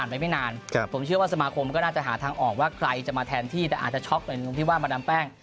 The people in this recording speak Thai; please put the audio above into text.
ก็น่าจะหาทางออกว่าใครจะมาแทนที่แต่อาจจะช็อคในวงพี่ว่ามาน้ำแป้ง